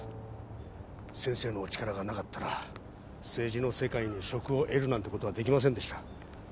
先生のお力がなかったら政治の世界に職を得るなんてことはできませんでした。